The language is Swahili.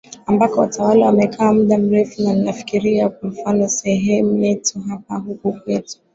ambako watawala wamekaa muda mrefu na ninafikiria kwa mfano sehemu yetu hapa huku kwetu